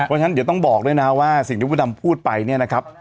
เพราะฉะนั้นเดี๋ยวต้องบอกด้วยนะว่าสิ่งที่พระดำพูดไปเนี่ยนะครับ